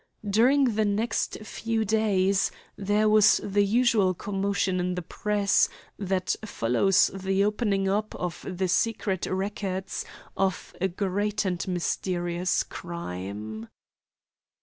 During the next few days there was the usual commotion in the Press that follows the opening up of the secret records of a great and mysterious crime.